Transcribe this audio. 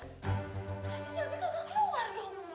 berarti selby gak keluar